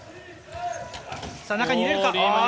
中に入れるか。